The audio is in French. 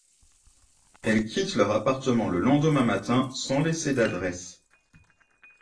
Elle quitte leur appartement le lendemain matin sans laisser d'adresse.